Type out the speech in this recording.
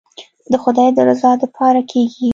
د خداى د رضا دپاره کېګي.